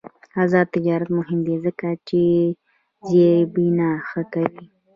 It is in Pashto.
آزاد تجارت مهم دی ځکه چې زیربنا ښه کوي.